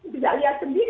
bisa lihat sendiri